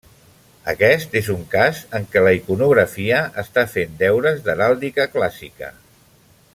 Aquest és un cas en què la iconografia està fent deures d'heràldica clàssica.